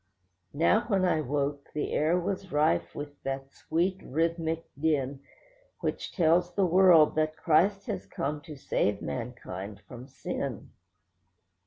Now when I woke, the air was rife with that sweet, rhythmic din Which tells the world that Christ has come to save mankind from sin.